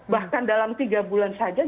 bahkan dalam tiga bulan saja